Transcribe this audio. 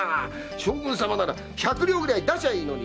将軍様なら百両ぐらい出しゃいいのに。